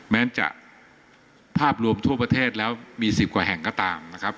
แม้จะภาพรวมทั่วประเทศแล้วมี๑๐กว่าแห่งก็ตามนะครับ